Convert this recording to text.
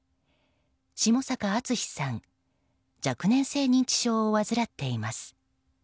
下坂厚さん若年性認知症を患っています。